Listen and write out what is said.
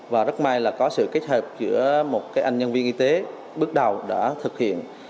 và rất may là có sự kết hợp giữa một anh nhân viên y tế bước đầu đã thực hiện